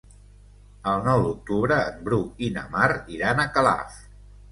El nou d'octubre en Bru i na Mar iran a Calaf.